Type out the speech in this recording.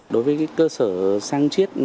đối với cơ sở săn chết